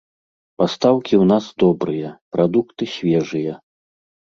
Пастаўкі ў нас добрыя, прадукты свежыя.